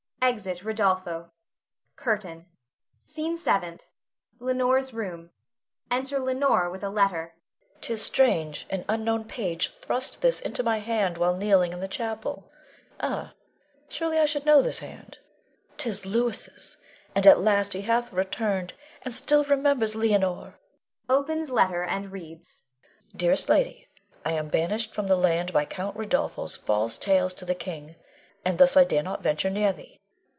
[Exit Rodolpho. CURTAIN. SCENE SEVENTH. [Leonore's room. Enter Leonore with a letter.] Leonore. 'Tis strange; an unknown page thrust this into my hand while kneeling in the chapel. Ah, surely, I should know this hand! 'Tis Louis's, and at last he hath returned, and still remembers Leonore [opens letter and reads]. Dearest Lady, I am banished from the land by Count Rodolpho's false tales to the king; and thus I dare not venture near thee.